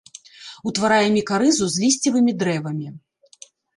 Утварае мікарызу з лісцевымі дрэвамі.